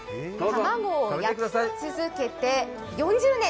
たまごを焼き続けて、４０年。